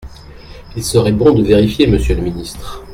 Il serait bon de vérifier, monsieur le ministre.